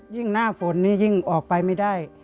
หน้าฝนนี่ยิ่งออกไปไม่ได้